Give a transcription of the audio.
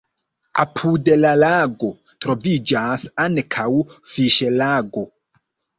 Apud la lago troviĝas ankaŭ fiŝlago.